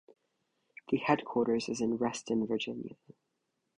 The headquarters is in Reston, Virginia.